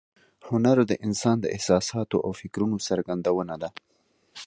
هنر د انسان د احساساتو او فکرونو څرګندونه ده